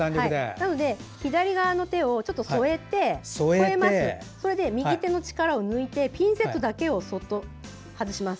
なので、左の手を添えて右手の力を抜いてピンセットだけをそっと外します。